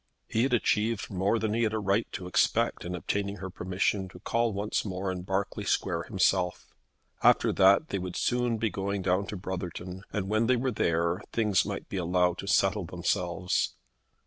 He had achieved more than he had a right to expect in obtaining her permission to call once more in Berkeley Square himself. After that they would soon be going down to Brotherton, and when they were there things might be allowed to settle themselves.